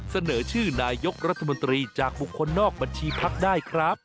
เสนอชื่อนายกรัฐมนตรีจากบุคคลนอกบัญชีพักได้ครับ